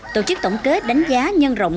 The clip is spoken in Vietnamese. tổ chức tổng kết đánh giá nhân rộng